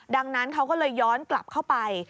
ดังนั้นเขาก็เลยย้อนกลับเข้าไป